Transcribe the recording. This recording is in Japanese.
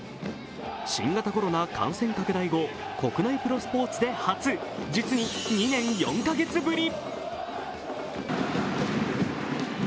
新型コロナ感染拡大後、国内プロスポーツで初、実に２年４カ月ぶり。